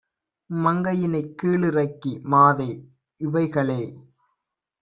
மங்கையினைக் கீழிறக்கி, "மாதே! இவைகளே